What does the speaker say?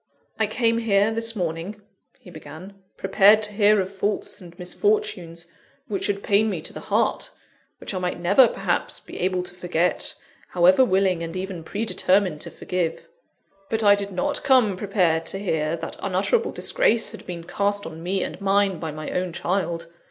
"I came here, this morning," he began, "prepared to hear of faults and misfortunes which should pain me to the heart; which I might never, perhaps, be able to forget, however willing and even predetermined to forgive. But I did not come prepared to hear, that unutterable disgrace had been cast on me and mine, by my own child.